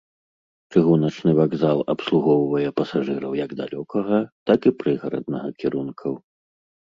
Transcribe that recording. Чыгуначны вакзал абслугоўвае пасажыраў як далёкага, так і прыгараднага кірункаў.